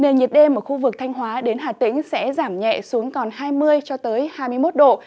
nhiệt đêm ở khu vực thanh hóa đến hà tĩnh sẽ giảm nhẹ xuống còn hai mươi hai mươi một độ